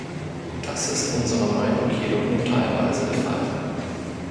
Das ist unserer Meinung jedoch nur teilweise der Fall.